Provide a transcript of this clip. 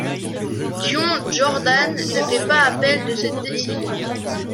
Dion Jordan ne fait pas appel de cette décision.